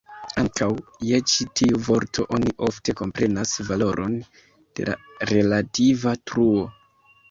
Ankaŭ je ĉi tiu vorto oni ofte komprenas valoron de la relativa truo.